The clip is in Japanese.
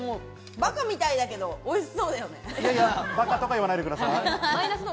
バカみたいだけどおいしそうだよね。